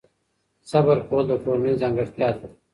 صبر کول د کورنۍ ځانګړتیا ده.